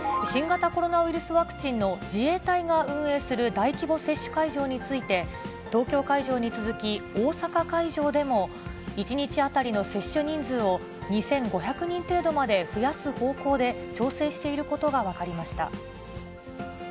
新型コロナウイルスワクチンの自衛隊が運営する大規模接種会場について、東京会場に続き、大阪会場でも、１日当たりの接種人数を、２５００人程度まで増やす方向で調整していることが分かりました。